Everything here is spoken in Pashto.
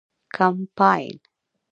کمپاین